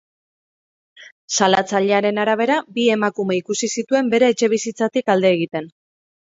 Salatzailearen arabera, bi emakume ikusi zituen bere etxebizitzatik alde egiten.